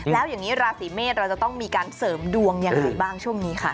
แล้วอย่างนี้ราศีเมษเราจะต้องมีการเสริมดวงยังไงบ้างช่วงนี้ค่ะ